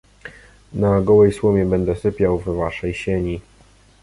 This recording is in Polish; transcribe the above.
"Na gołej słomie będę sypiał w waszej sieni!"